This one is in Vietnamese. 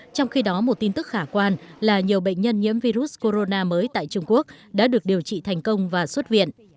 trong khi đó một tin tức khả quan là nhiều bệnh nhân nhiễm virus corona mới tại trung quốc đã được điều trị thành công và xuất viện